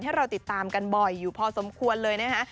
ให้เราติดตามกันบ่อยอยู่พอสมควรเลยนะคะ